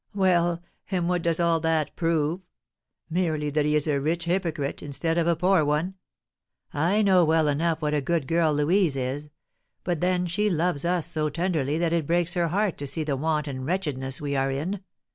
"Well, and what does all that prove? Merely that he is a rich hypocrite, instead of a poor one. I know well enough what a good girl Louise is; but then she loves us so tenderly that it breaks her heart to see the want and wretchedness we are in.